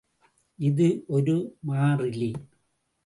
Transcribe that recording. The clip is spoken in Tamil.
இது ஒரு மாறிலி.